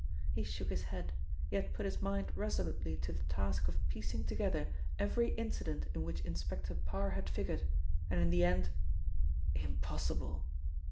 He shook his head, yet put his mind resolutely to the task of piecing together every incident in which Inspector Parr had figured, and in the end: "Impossible!"